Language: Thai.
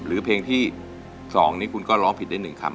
หรือเพลงที่๒นี้คุณก็ร้องผิดได้๑คำ